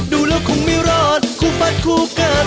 ดูแล้วคงไม่รอดคู่ฟัดคู่กัน